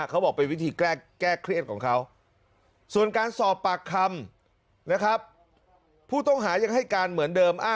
ก็เรียกร้องให้ตำรวจดำเนอคดีให้ถึงที่สุดนะ